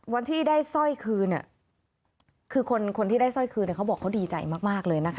วันที่ได้สร้อยคืนคือคนที่ได้สร้อยคืนเขาบอกเขาดีใจมากเลยนะคะ